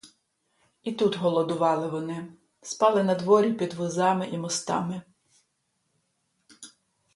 І тут голодували вони, спали надворі під возами і мостами.